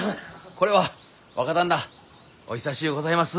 これは若旦那お久しゅうございます。